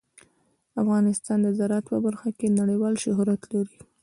افغانستان د زراعت په برخه کې نړیوال شهرت لري.